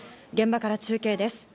現場から中継です。